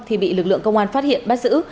thì bị lực lượng công an phát hiện bắt giữ